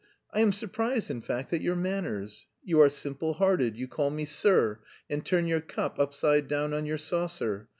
I am surprised in fact at your manners. You are simple hearted, you call me 'sir,' and turn your cup upside down on your saucer...